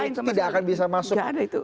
nggak ada apa apa yang lain sama dengan itu